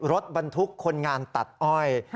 รถบันทุกของผู้งานตัดอ้อย